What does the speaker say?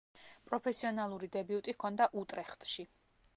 პროფესიონალური დებიუტი ჰქონდა „უტრეხტში“.